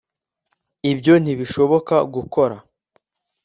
ibyo ntibishoboka gukora